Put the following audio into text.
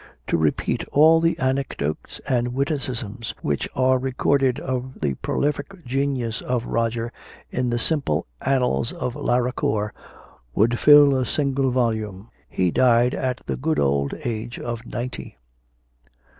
To repeat all the anecdotes and witticisms which are recorded of the prolific genius of Roger in the simple annals of Laracor, would fill a little volume. He died at the good old age of ninety.